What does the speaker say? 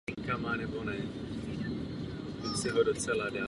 Byl jedním z posledních žijících členů Luftwaffe.